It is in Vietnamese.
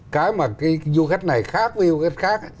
cái mà du khách này khác với du khách khác